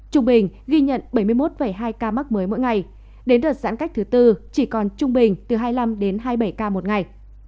trung bình ghi nhận bảy mươi một hai ca mắc mới mỗi ngày đến đợt giãn cách thứ tư chỉ còn trung bình từ hai mươi năm đến hai mươi bảy ca một ngày